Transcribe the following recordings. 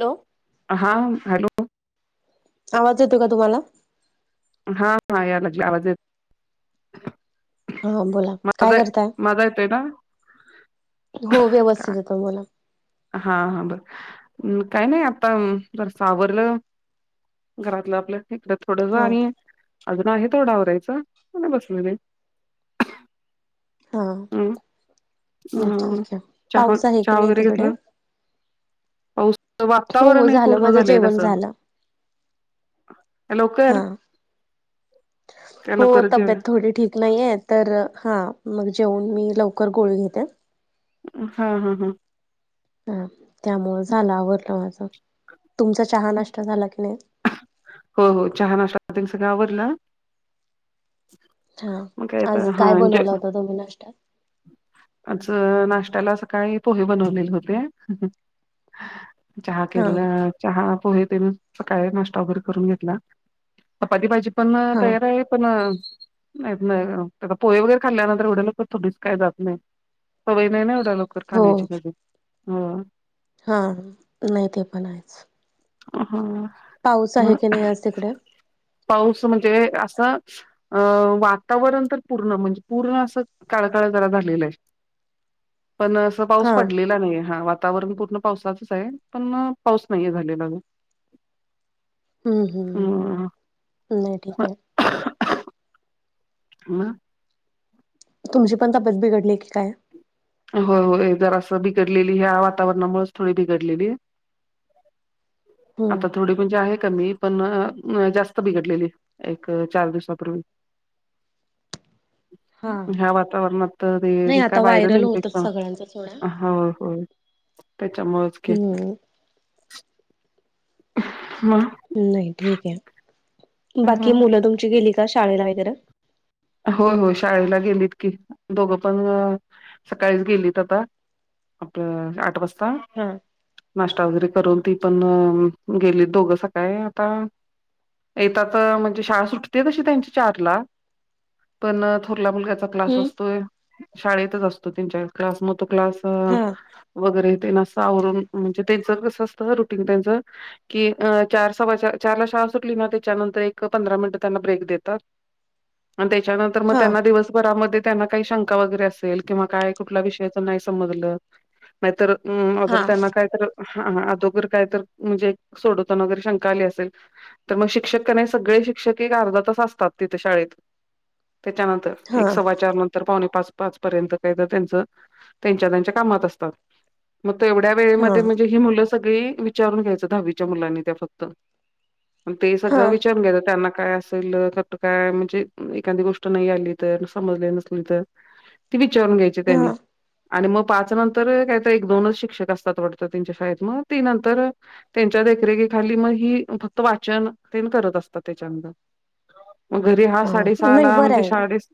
Hello! हा hello. आवाज येतोय का तुम्हाला? हा यायला लागलाय, आवाज येतो. हा बोला काय करताय. माझा येतोय ना हो का व्यवस्थित येतो बोला. हा हा बर अह काय नाही आता घर सावरलं घरातलं आपलं ठिकठाक. थोडस हा आणि अजून आहे थोड आवरायचं आणि बसलोय मी. हा हम्म नाही अह ठीक आहे चहा पाऊस आहे की चहा नाही वगैरे तिकडे घेतला? पाऊसच हो हो वातावरण आहे झालं पूर्ण माझं झालेय जेवण तसं. झालं हा लवकर त्या हो लवकर जे तब्येत थोडी ठीक नाहीये तर हां मग जेऊन मी लवकर गोळी घेते. अम हा हा हा. हा त्यामुळे झाल आवरलं माझ तुमचा चहा नाश्ता झाला का? हो. हो हो चहा नाश्ता सगळं आवरल हां मग काय आता आज हा काय जे बनवला होता तुम्ही नाश्त्यात? आज नाशत्याला सकाळी पोहे बनवलेले होते. चहा हा केलेला चहा पोहे तेनी सकाळी नाश्ता वगैरे करून घेतला. चपाती भाजी पण हा तयार आहे. पण माहित नाय आता पोहे वगैरे खाल्ल्यानंतर एवढ्या लवकर थोडीच काय जात नाही. सवय नाही नाही एवढ्या लवकर खाण्याची दररोज हो. हां नाही ते पण आहेच. हम्म. पाऊस आहे की नाही आज तिकडे पाऊस म्हणजे असा. अअह वातावरण तर पूर्ण म्हणजे पूर्ण असं काळकाळ जरा झालेलं आहे. पण असं पाऊस हा पडलेला नाहीये, हां वातावरण पूर्ण पावसाचच आहे पण पाऊस नाहीये झालेला अजून. हम्म हम्म हम्म ठीक आहे. हम्म. तुमची पण तब्येत बिघडली की काय होय होय जरासं बिघडलेली ह्या वातावरणामुळेच थोडी बिघडलेली. हम्म. आता थोडी म्हणजे आहे कमी पण अह जास्त बिघडलेली एक चार दिवसापूर्वी हा ह्या वातावरणात नाही ते काय आता व्हायरल इनफे होतच सगळ्यांच सोडा. हो हो त्याच्यामुळेच. हम् ह [unintelligible] नाही ठीक आहे, बाकी मुलं तुमची गेली का शाळेला वगैरे. हो हो शाळेला गेलीत की दोघ पण अ सकाळीच गेलीत आता- आपलं आठ वाजता. हम नाश्ता वगैरे करून ती पण अ गेलीत दोघं सकाळी आता- येेतात अ म्हणजे शाळा सुटते तशी त्यांची चार ला पण थोरल्या मुलग्याचा क्लास असतोय शाळेतच असतो त्यांच्या- क्लास म तो क्लास हा वगैरे ते न असं आवरून- म्हणजे त्यांचं जसं असतं ना रुटीन त्यांचं- कि चार सवा चारला शाळा सुटली ना त्याच्यानंतर एक पंधरा मिनिट त्यांना ब्रेक देतात- आणि त्याच्यानंतर मग हा त्यांना दिवसभरामध्ये- त्यांना काही शंका वगैरे असेल किंवा काय कुठल्या विषयाच नाही समजलं- नाहीतर हम हा ऑदर त्यांना काय तर- हा हा अगोदर काय तर म्हणजे सोडवताना वगैरे शंका आली असेल- तर मग शिक्षक काय नाय सगळे शिक्षक एक अर्धा तास असतात तिथे शाळेत. त्याच्यानंतर एक हा सवा चार नंतर. तर पावणे पाच, पाच पर्यंत काही तर त्यांच त्यांच्या त्यांच्या कामात असतात. मग तेवढ्या हा वेळेमध्ये म्हणजे ही मुलं सगळी विचारून घ्यायचं दहावीच्या मुलांनी त्या फक्त- ते हा सगळं विचारून घेतात त्यांना काय असायल काय म्हणजे- एखादी गोष्ट नाही आली तर समजले नसली तर ती विचारून घ्यायची त्यांनी- आणि मग पाच नंतर काय एक दोनच शिक्षक असतात वाटत त्यांच्या शाळेत मग ती नंतर- त्यांच्या देखरेखीखाली मग ही फक्त वाचन तेन करत असतात त्याच्यानंतर. मग घरी हा साडेसहा नाही ला बरं म्हणजे आहे. साडे-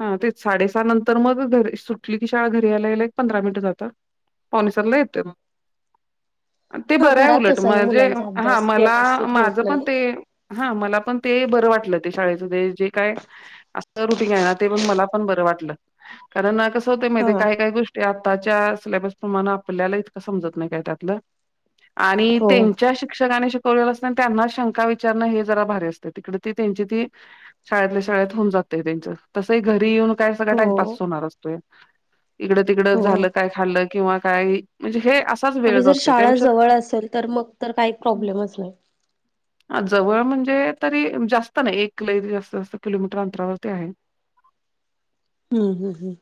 हा तेच साडेसहा नंतर मग घरी सुटली की शाळा घरी यायला एक पंधरा मिनिटं लागतात. पावणे सातला येतात मग. ते हा बरंय घरात उलट तसाही म्हणजे मुलांचा हा अभ्यास मला व्यवस्थित होत माझं पण नाही. ते- हा मला पण ते बरं वाटलं ते- शाळेच जे जे काय असत रुटीन आहे ना ते मग मला पण बर वाटलं. कारण अ कसं होतय हा माहिते काय काय गोष्टी- ते आताच्या सिलेबस प्रमाण आपल्याला इतकं समजत नाही काय त्यातलं. आणि हो त्यांच्या शिक्षकाने शि असत त्यांना शंका विचारणं हे जरा भारी असते तिकडे ती त्यांची ती- शाळेतल्या शाळेत होऊन जातय त्यांच तसंही घरी येऊन काय सगळं हो टाइमपास होणार असतोय. इकडं तिकडं हो. झालं काय खाल्ल किंवा काय म्हणजे हे अस- आणि् जर शाळा जवळ असेल तर मग तर काही प्रॉब्लेमच नाही. जवळ म्हणजे तरी जास्त नाही एक- क जास्त जास्त किलोमीटर अंतरावरती आहे. हम् हम हम्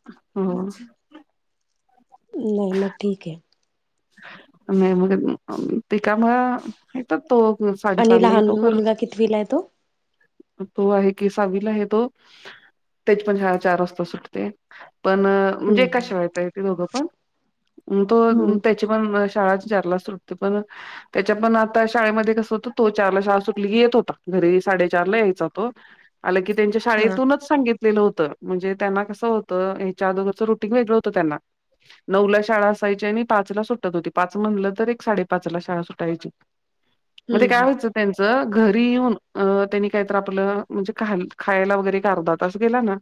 [unintelligible] मग मग ठीक आहे. म मग त का मग- तर तो साडे आणि सहाला लहान येतो. परत मुलगा कितवीला आहे तो? तो आहे की, सहावीला आहे तो तेची पण शाळा चार वाजता सुटते, पण म्हणजे एकाच हम्म. शाळेत आहेत ती दोघं, पण तो हम्म त्याची पण शाळा चारला सुटते, पण त्याच्या पण आता शाळेमध्ये कसं होतं, तो चारला शाळा सुटली की येत होता घरी, साडेचारला यायचा तो आलं की त्यांच्या हा शाळेतून सांगितलेलं होतं, म्हणजे त्यांना कसं होतं, हे चार दोघांचं रुटीन वेगळं होतं त्यांना नऊला शाळा असायच्या आणि पाचला सुटत होती, पाच म्हणलं तर एक साडेपाचला शाळा सुटायची, मग ते काय हम्म व्हायचं त्यांचं घरी येऊन त्यांनी काहीतरी आपलं म्हणजे ख खायला वगैरे अर्धा तास गेला ना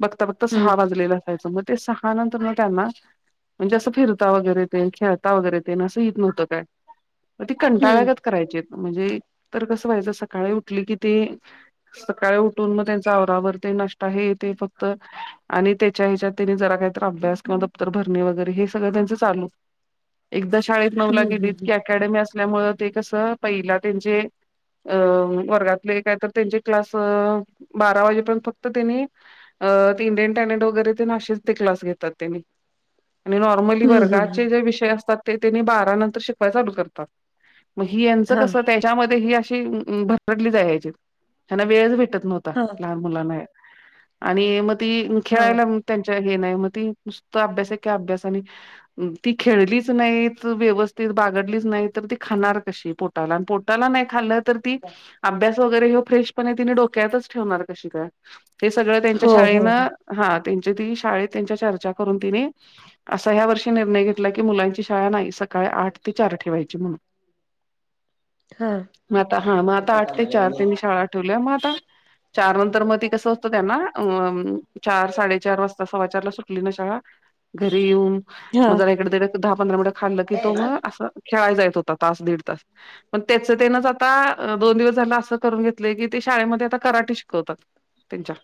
मग [inaudible] हम्म सहा वाजलेलं असायचं, मग ते सहा नंतर मग त्यांना म्हणजे असं फिरता वगैरे खेळता वगैरे ते असं येत नव्हतं काय, ती कंटाळल्या हम्म गत करायचे, म्हणजे तर कसं व्हायचं, सकाळी उठली की ती सकाळी उठून मग त्यांच्या आवरावर, ते नाष्टा हे ते फक्त आणि त्याच्या ह्याच्यात त्यांनी जरा काहीतरी अभ्यास किंवा दप्तर भरणे वगैरे हे सगळं त्यांचं चालू एकदा शाळेत नऊला हम्म गेलीत की हम्म. अकॅडमी असल्यामुळं ते कसं, पहिला त्यांचे वर्गातले काय तर त्यांचे क्लास बारा वाजेपर्यंत फक्त त्यांनी इंडियन टॅलेंट वगैरे ते नाचतेत, ते क्लास घेतात ते आणि नॉर्मली हम्म हम्म वर्गाचे जे विषय असतात, ते त्यांनी बारा नंतर शिकवायला चालू करतात. मग ही यांचं हा कसं त्यांची अशी भरकटली जायची, त्यांना वेळच भेटत नव्हता, हा लहान मुलांना आणि मग ती हा खेळायला त्यांचं हे नाही, मग ती नुसता अभ्यास, एके अभ्यास आणि ती खेळलीच नाहीत, व्यवस्थित बागडलीच नाही, तर ती खाणार कशी? पोटाला नाही खाल्लं तर ती अभ्यास वगैरे मग फ्रेशपणे तिने डोक्यातच ठेवणार कशी काय? ते सगळं त्यांच्या हो हो हो शाळेनं हा, त्यांची ती शाळेत त्यांच्याशी चर्चा करून तिने असं ह्या वर्षी निर्णय घेतला की मुलांना नाही, सकाळी आठ ते चार ठेवायची हा मग आता हा, मग आता आठ ते चार ते मी शाळा ठेवल्या, मग आता चार नंतर मग ते कसं असतं, त्यांना अं चार, साडेचार वाजता, सव्वा चारला सुट् ना, शाळा सुटून घरी येऊन हा मग जरा इकडे दहा-पंधरा मिनिटं खाल्लं की तो मग असं खेळायला जात होता, तास-दीड तास मग त्याचं त्यानंच आता दोन दिवस झालं असं करून घेतलंय की ते शाळेमध्ये आता कराटे शिकवतात त्यांच्या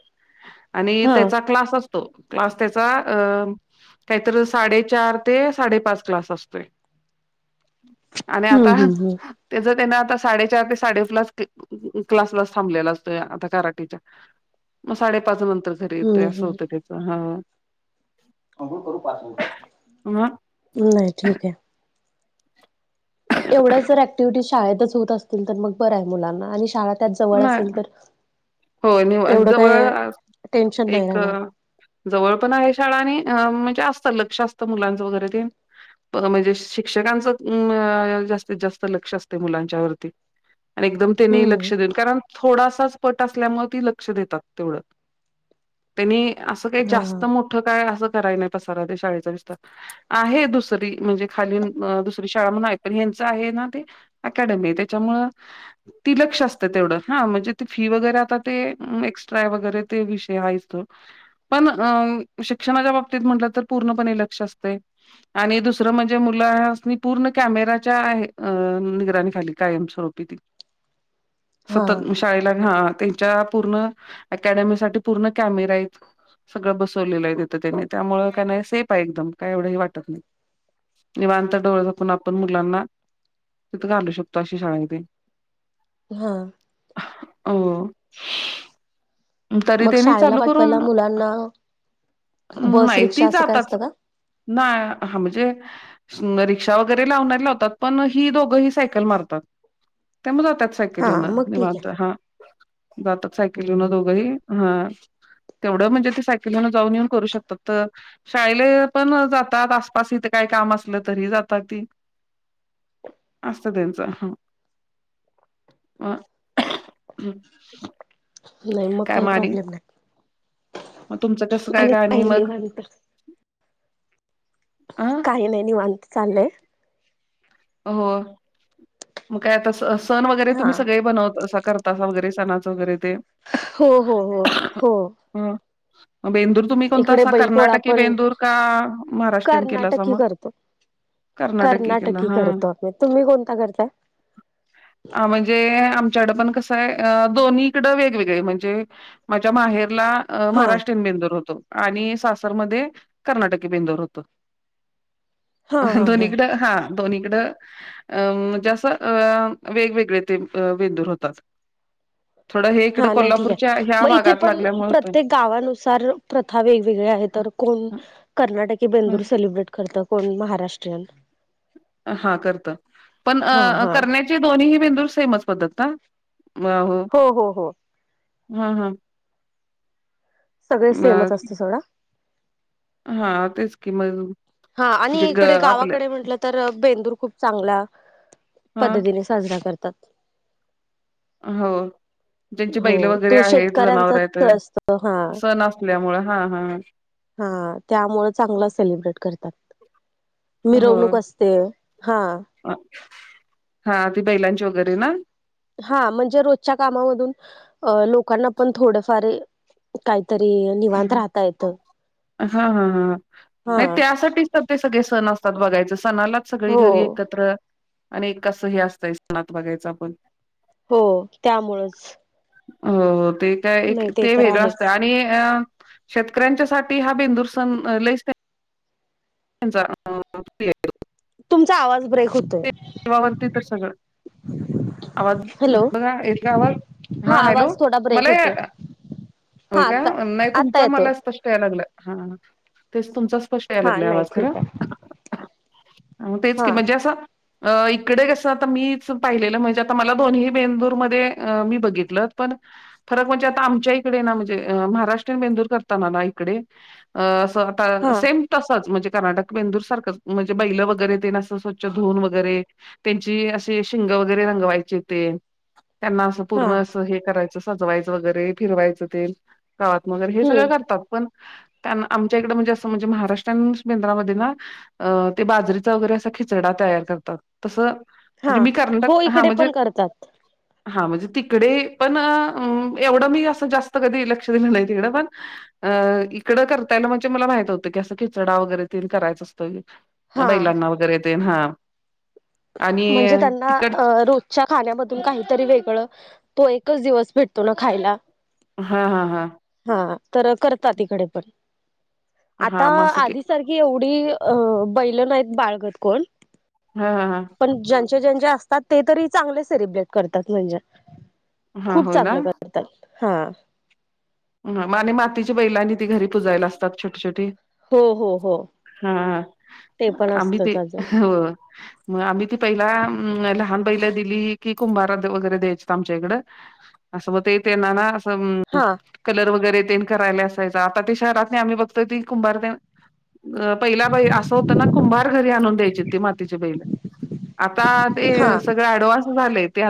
आणि हा त्याचा क्लास असतो, क्लास त्याचा काहीतरी चार ते साडेपाच क्लास असतोय आणि हम्म आता हम्म हम्म त्याचं त्यानं आता साडेचार ते साडेपाचला क्लासला थांबलेला असतो आता कराटेच्या मग साडेपाच नंतर घरी येतोय हम्म असं हम्म होतं त्याचं, हा. अंंघोळ करू पाच मिनटात? अहं नाही, ठीक आहे. एवढ्याच जर ॲक्टिव्हिटी शाळेतच होत असतील तर मग बरं आहे मुलांना आणि शाळा त्यात जवळ नाही असेल तर होय मी एवढं जवळ काय अ टेन्शन नाही एक. राहणार जवळ पण आहे शाळा आणि अ म्हणजे असतात लक्ष असतं मुलांचं वगैरे ते. म्हणजे शिक्षकांचं म जास्तीत जास्त लक्ष असते मुलांच्या वती. एकदम. हम्म लक्ष देन कारण थोडासाच पट असल्यामुळे लक्ष देतात तेवढ. त्यांनी असं काही जास्त हा मोठं काय असं कराय नाही पसारा शाळेचा विस्तार. आहे दुसरी म्हणजे खाली दुसरी शाळा म्हणून आहे पण यांच आहे ना ते. अकॅडमी त्याच्यामुळ ती लक्ष असतं तेवढं हा, म्हणजे त्यांनी. ही वगैरे आता ते एक्स्ट्राय वगैरे ते विषय हायच तो. पण अ शिक्षणाच्या बाबतीत म्हटलं तर पूर्णपणे लक्ष असतेय. आणि दुसरं म्हणजे मुलानी पूर्ण कॅमेराच्या आहे अ निगराणी खाली कायमस्वरूपी ती. हा सतत मुश. ल हा, त्यांच्या पूर्ण ॲकडमी साठी पूर्ण कॅमेरा आहेत. सगळं बसवलेलं आहे तिथं त्यांनी त्यामुळ काय नाही सेफ आहे एकदम काय वाटत नाही. निवांतर डोळ झाकून आपण मुलांना. तिथ अक्षिप्त अशी शाळां आहे ती हा, अ उ, तरी मग तेनी शाळेला चालू करून पाठवायला मुलांना बस नाही रिक्षा तीच असं काय आताच. असतं का? नाही ह म्हणजे. अ रिक्षा वगैरे लावणार लावतात पण ही दोघंही सायकल मारतात. त्यामुळे जातात हा सायकलन मग ठीक आहे निवांत हा, जातात सायकलन हम्म दोघ. बघ हे तेवढं म्हणजे ते सायकलन जाऊन येऊन करू शकतात तर. शाळेले पण जातात आसपास इथे काही काम असलं तरी जातात ती. असत त्यांचं ह, ह, नाही मग काय काही म आणि प्रॉब्लेम नाही. मग तुमचं कसं काय आणि गाणी काही मग निवांत अ, काही नाही निवांत चाललंय. हो, मग काय आता स सण वगैरे हा तुम्ही सगळे बनवत अस करता. तसा वगैरे सणाचं वगैरे ते. हो हो हो हो, हम, बेंदूर. तुम्ही कोणता इकडे सा बैलपोळा कर्नाटकी पण बेंदूर का महाराष्ट्रन केला अस कर्नाटकी मग. कर्नाटकी केला. की हां. करतो तुम्ही कोणता करताय. [inaudible] हा, म्हणजे आमच्याकडं पण कसं आहे अ दोन्हीकडं वेगवेगळे म्हणजे. माझ्या माहेरला अ हा महाराष्ट्रीयन बेंदूर होतो. आणि सासरमध्ये कर्नाटकी बेंदर होत. हा हा दोन्हीकडं हा, दोनकडं. ''अं'' जस अं वेगवेगळे ते बेंदूर होतात. थोडं हे इकडें हा नाही ठीक कोल्हापूरच्या आहे ह्या मग इथे भागात पण लागल्यामुळे होतं. प्रत्येक गावानुसार प्रथा वेगवेगळे आहे तर कोण कर्नाटकी हां, बेंदूर सेलिब्रेट. करत कोण महाराष्ट्रीयन. हा करत पण हा अं‌ अं हा करण्या ची दोन्हीही बेंदुर सेमच पद्धत का ना हो हो हो हो हम्म हम्म सगळे सेमच असते सोडा. हा तेच कि मगं हा आणि इकडे गावाकडे म्हटलं तर, बेंदूर खूप चांगल्या हा पद्धतीने साजरा करतात. हो ज्यांची हो बैले वगैरे तो आहेत, जनावर आहेत ते शेतकऱ्यांचाच असतो हा सण असल्यामुळे, हा हा. हा त्यामुळं चांगलं सेलिब्रेट करतात. हो मिरवणूक असते, हा. हा, ती बैलांची वगैरे ना? हा म्हणजे रोजच्या कामामधून अ लोकांना पण थोडंफार हं काही तरी हा हा ह, हा नाही त्यासाठी चं ते सगळे सण असतात बघायच, सणालाच सगळी हो घरी एकत्र आणि एक कसं हे असतंय सणात बघायचं आपण. हो त्यामुळंच हो हो, ते काय नाही ते तर वेगळं असत आहेच. आणि कि अं शेतकऱ्यांच्यासाठी हा बेंदूर सण [inaudible] तुमचा आवाज ब्रेक होत ते [inaudible] तर सगळं आवाज, हॅलो बघा येतोय का आवाज? हा हॅलो आवाज थोडा ब्रेक मला होतोय. याला होय हा आता काय? नाही आता तुमचा येतोय मला स्पष्ट यायला लागलं हा तेच तुमचा स् स्पष्ट यायला हा लागलेय नाही आवाज खर, ठीक आहे तेच कि हा मजे असं अ इकडे कसं आता मीच पाहिलेलं म्हणजे, आता मला दोन्ही बेंदूरमध्ये मी बघितलं पण फरक म्हणजे आता आमच्या इकडे ना म्हणजे महाराष्ट्रीन बेंदूर करताना ना इकडे अ असं हा सेम तसंच म्हणजे कर्नाटक बेंदूर सारखंच, म्हणजे बैलं वगैरे तेन असं स्वच्छ धुऊन वगैरे, त्यांची असे शिंग वगैरे रंगवायची ते त्यांना अस हा पूर्ण हे करायचं, सजवायचं वगैरे, फिरवायचं ते गावातन हे सगळं हम्म करतात पण आमच्या इकडे म्हणजे असं म्हणजे महाराष्ट्रान बेंदरामध्ये ना अ ते बाजरीचा वगैरे असा खिचडा तयार करतात तसं हा म्हणजे मी हो कर्नाटक, हा इकडे म्हणजे पण करतात. हा म्हणजे तिकडे पण, एवढं मी असं जास्त कधी लक्ष दिलं नाही तिकडं पण अ इकडं करत्यालं म्हणजे मला माहित होतं की, असं खिचडा वगैरे ते करायचा असतो हा. बैलांना वगैरे तेन हा. आणि म्हणजे त्यांना तिकड रो जच्या खाण्यामधून काहीतरी वेगळं, तो एकच दिवस भेटतो ना खायला. हा हा हा हा तर करतात तिकडे पण, आता हा मग असं आधी सारख की एवढी अ बैल नाहीत बाळगत कोण हा हा हा पण ज्यांचे ज्यांचे असतात, ते तरी चांगले सेलिब्रेट करतात म्हणजे हा खूप होय ना चांगलं करतात हा. ह माने मातीच्या बैलांनी ती घरी पुजायला असतात छोटी छोटी. हो हो हो हा ते पण आम्ही ते असतच अजून हो मग आम्ही ती पहिला लहान पहिल्या दिली की कुंभार वगैरे द्यायच आमच्या इकडं. असं म ते येते ना ना असंम हा कलर वगैरे तेन करायला असायचं आता ते शहरात नाही आम्ही बघतो ती कुंभार अ पहिला बाई असं होत ना कुंभार घरी आणून द्यायची ती मातीच्या बैला. आता ते हा सगळे अडवान्स झाले ते आता.